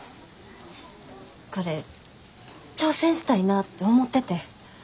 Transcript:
これ挑戦したいなぁって思ってて。